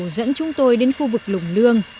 dẫn chúng tôi đến khu vực lùng lương